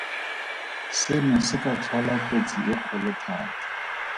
Seno se ka tlhola kotsi e kgolo thata.